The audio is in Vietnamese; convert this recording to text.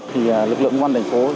thì lực lượng công an thành phố